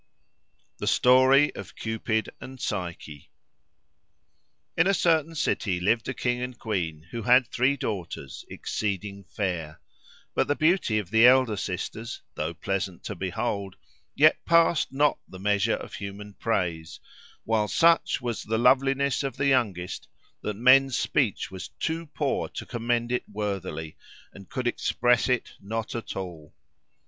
— The Story of Cupid and Psyche. In a certain city lived a king and queen who had three daughters exceeding fair. But the beauty of the elder sisters, though pleasant to behold, yet passed not the measure of human praise, while such was the loveliness of the youngest that men's speech was too poor to commend it worthily and could express it not at all.